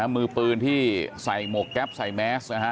มือปืนที่ใส่หมวกแก๊ปใส่แมสนะฮะ